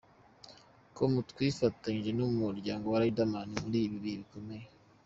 com twifatanyije n"umuryango wa Riderman muri ibi bihe bikomeye!!.